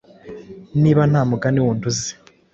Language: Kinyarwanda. Niba nta mugani wundi uzi,